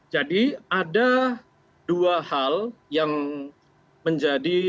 jadi ada dua hal yang menjadi